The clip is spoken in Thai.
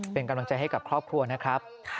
เป็นกำลังใจให้กับครอบครัวนะครับ